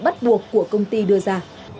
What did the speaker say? bắt buộc của công ty đưa ra